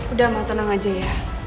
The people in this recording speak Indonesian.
udah mah tenang aja ya